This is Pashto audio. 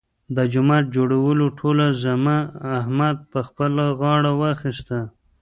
د جومات جوړولو ټوله ذمه احمد په خپله غاړه واخیستله.